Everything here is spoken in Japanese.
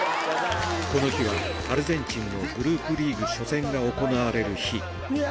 この日は、アルゼンチンのグループリーグ初戦が行われる日。